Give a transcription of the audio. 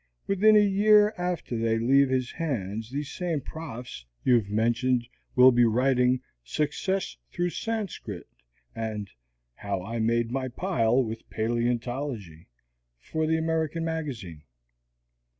Within a year after they leave his hands these same profs you've mentioned will be writing 'Success Through Sanscrit' and 'How I made My Pile with Paleontology' for the American Magazine."